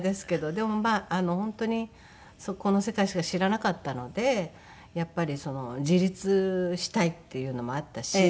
でもまあ本当にこの世界しか知らなかったのでやっぱり自立したいっていうのもあったし。